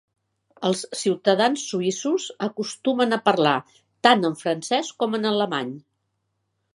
Els ciutadans suïssos acostumen a parlar tant en francès com en alemany.